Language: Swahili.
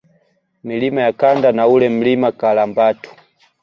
Milima ya Kanda na ule Mlima Karambatu